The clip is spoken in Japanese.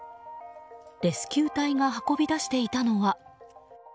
レスキュー隊が運び出していたのは。